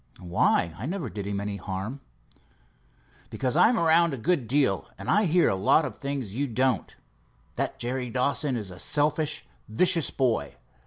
"Why? I never did him any harm." "Because I'm around a good deal, and I hear a lot of things you don't. That Jerry Dawson is a selfish, vicious boy.